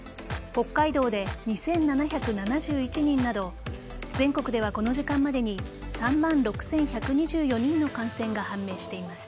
北海道で２７７１人など全国ではこの時間までに３万６１２４人の感染が判明しています。